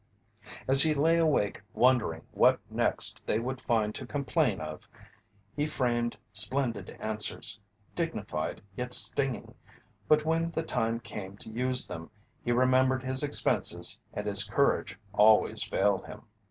As he lay awake wondering what next they would find to complain of, he framed splendid answers, dignified yet stinging, but when the time came to use them he remembered his expenses and his courage always failed him.